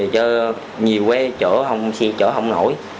cho nhiều cái chỗ không xe chỗ không nổi